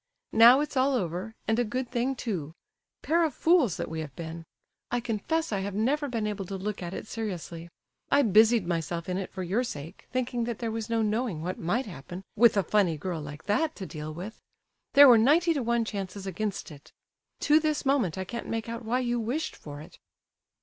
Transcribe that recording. Now it's all over, and a good thing, too; pair of fools that we have been! I confess I have never been able to look at it seriously. I busied myself in it for your sake, thinking that there was no knowing what might happen with a funny girl like that to deal with. There were ninety to one chances against it. To this moment I can't make out why you wished for it."